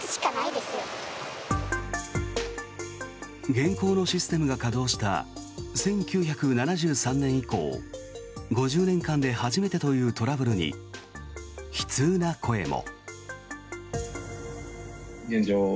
現行のシステムが稼働した１９７３年以降５０年間で初めてというトラブルに、悲痛な声も。